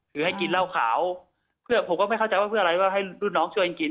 คือให้กินเหล้าขาวเพื่อผมก็ไม่เข้าใจว่าเพื่ออะไรว่าให้รุ่นน้องช่วยกันกิน